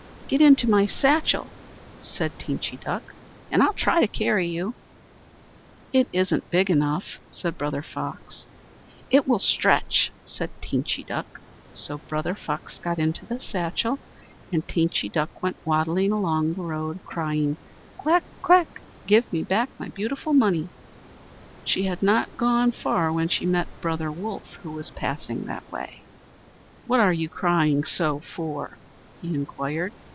"Get into my satchel," said Teenchy Duck, "and I'll try to carry you." "It isn't big enough," said Brother Fox. "It will stretch," said Teenchy Duck. So Brother Fox got into the satchel, and Teenchy Duck went waddling along the road, crying: "Quack! quack! Give me back my beautiful money!" She had not gone far when she met Brother Wolf, who was passing that way. "What are you crying so for?" he inquired.